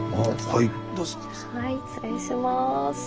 はい失礼します。